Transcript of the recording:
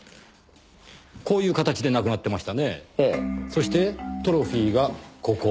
そしてトロフィーがここ。